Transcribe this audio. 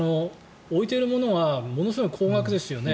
置いているものはものすごい高額ですよね。